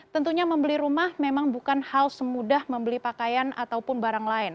tentunya membeli rumah memang bukan hal semudah membeli pakaian ataupun barang lain